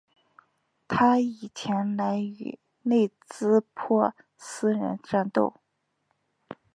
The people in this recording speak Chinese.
他已前来与内兹珀斯人战斗。